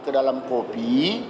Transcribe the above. ke dalam kopi